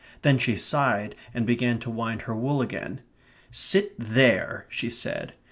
Then she sighed and began to wind her wool again. "Sit THERE," she said.